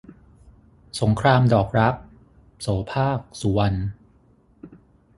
สงครามดอกรัก - โสภาค สุวรรณ